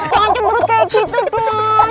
jangan cemberut kayak gitu dong